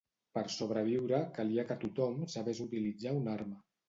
Per sobreviure, calia que tothom sabés utilitzar una arma.